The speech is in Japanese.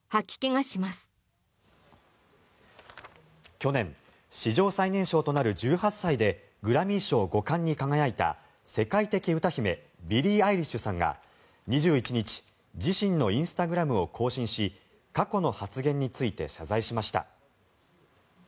去年史上最年少となる１８歳でグラミー賞５冠に輝いた世界的歌姫ビリー・アイリッシュさんが２１日自身のインスタグラムを更新し過去の発言について謝罪しました。